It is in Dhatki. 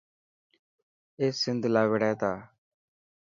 اي سنڌ لاءِ وڙهي تا.